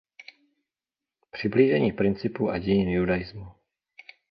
Přiblížení principů a dějin Judaismu.